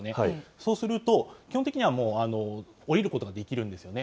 そうすると基本的には、もう降りることができるんですよね。